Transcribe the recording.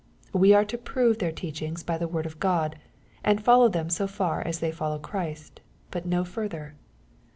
We are to prove their teaching by the word of God, and follow them so far as they follow Christ, but no further.